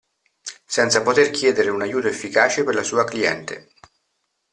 Senza poter chiedere un aiuto efficace per la sua cliente.